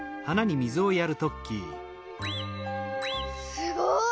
すごい。